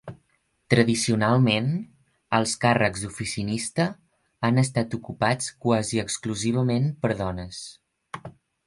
Tradicionalment, els càrrecs d'oficinista han estat ocupats quasi exclusivament per dones.